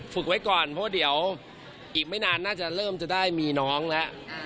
ฝึกไว้ก่อนเพราะว่าเดี๋ยวอีกไม่นานน่าจะเริ่มจะได้มีน้องแล้ว